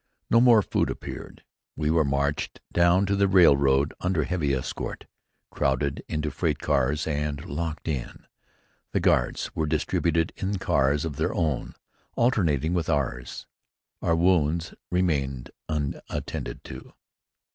No more food appeared. We were marched down to the railroad under heavy escort, crowded into freight cars and locked in. The guards were distributed in cars of their own, alternating with ours. Our wounds remained unattended to.